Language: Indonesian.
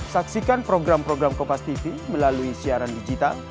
saksikan program program kopas tv melalui siaran digital